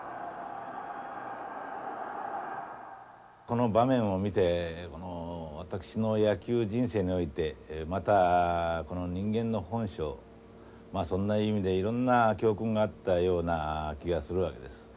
この場面を見て私の野球人生においてまたこの人間の本性まあそんな意味でいろんな教訓があったような気がするわけです。